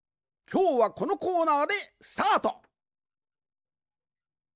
きょうはこのコーナーでスタート！